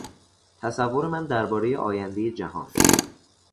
تصور من دربارهی آیندهی جهان